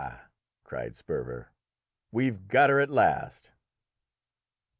cried Sperver, "we have got her at last!"